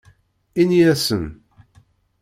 Ini-asen.